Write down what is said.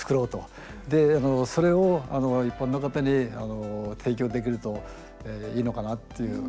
でそれを一般の方に提供できるといいのかなっていう考え方があって。